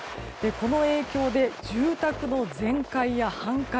この影響で、住宅の全壊や半壊